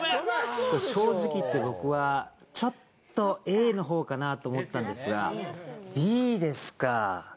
正直言って僕はちょっとＡのほうかなと思ったんですがＢですか。